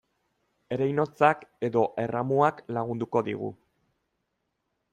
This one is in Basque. Ereinotzak edo erramuak lagunduko digu.